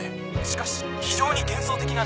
しかし非常に幻想的な眺めです。